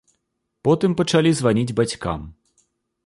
Потым пачалі званіць бацькам.